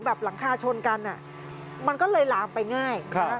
หลังคาชนกันมันก็เลยลามไปง่าย